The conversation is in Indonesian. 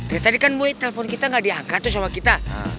ya tadi kan mui telepon kita gak diangkat tuh sama kita